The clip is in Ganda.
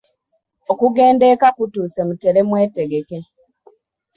Okugenda eka kutuuse mutere mwetegeke.